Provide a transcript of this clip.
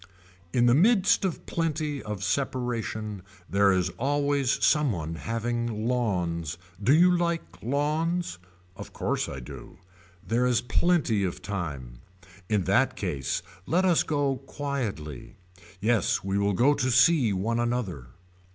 In the midst of plenty of separation there is always some one having lawns. Do you like lawns. Of course I do. There is plenty of time. In that case let us go quietly. Yes we will go to see one another.